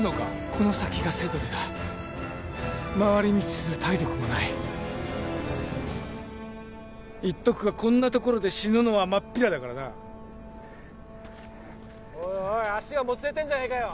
この先がセドルだ回り道する体力もない言っとくがこんなところで死ぬのはまっぴらだからなおいおい足がもつれてんじゃねえかよ